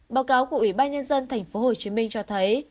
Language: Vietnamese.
báo cáo của ủy ban nhân dân tp hcm cho thấy